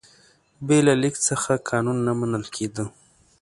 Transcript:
بې له لیک څخه قانون نه منل کېده.